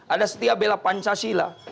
ada setia bela pancasila